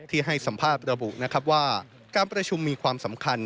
ให้สัมภาษณ์ระบุนะครับว่าการประชุมมีความสำคัญ